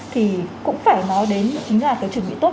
thì cũng phải nói đến chính là cái chuẩn bị tốt